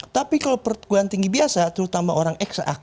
tapi kalau pertukuhan tinggi biasa terutama orang eksak